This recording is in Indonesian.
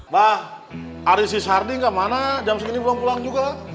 mbah ari si sardi gak mana jam segini belum pulang juga